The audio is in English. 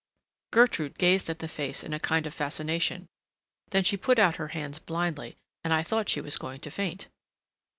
Gertrude gazed at the face in a kind of fascination. Then she put out her hands blindly, and I thought she was going to faint.